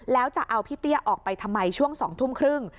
แล้วจะเอาพี่เตี้ยออกไปทำไมช่วง๒ทุ่มครึ่ง